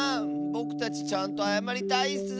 ぼくたちちゃんとあやまりたいッス！